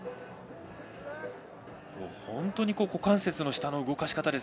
本当に股関節の下の動かし方。